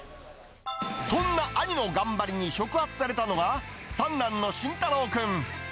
そんな兄の頑張りに触発されたのは、三男の心大朗君。